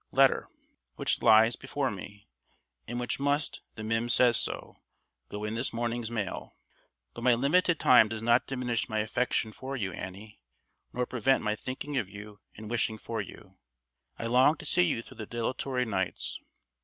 ] letter, which lies before me, and which must, the Mim says so, go in this morning's mail. But my limited time does not diminish my affection for you, Annie, nor prevent my thinking of you and wishing for you. I long to see you through the dilatory nights.